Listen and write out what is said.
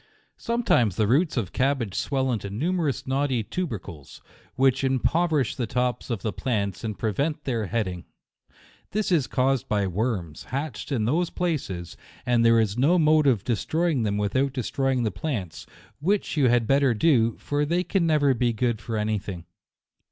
Sometimes the roots of cabbage swell into numerous knotty tubercles, which impoverish the tops of the plants, and prevent their head ing. This is caused by worms, hatched in those places ; and there is no mode of de stroying them without destroying the plants, which you had better do, for they can never be good for any thing.